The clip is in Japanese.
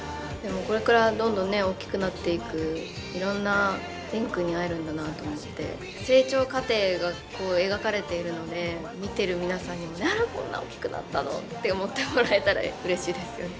これからどんどん大きくなっていくいろんな蓮くんに会えるんだなと思って成長過程がこう描かれているので見てる皆さんにもこんな大きくなったのって思ってもらえたらうれしいですよね。